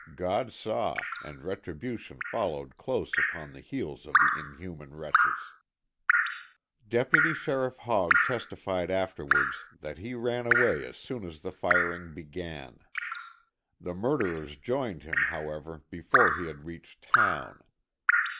God saw, and retribution followed close upon the heels of the inhuman wretches. Deputy Sheriff Hogg testified afterwards that he ran away as soon as the firing began. The murderers joined him, however, before he had reached town.